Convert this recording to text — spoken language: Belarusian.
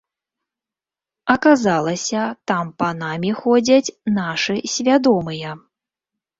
Аказалася, там панамі ходзяць нашы свядомыя!